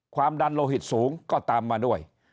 ความดันโลหิตสูงก็ตามมาด้วย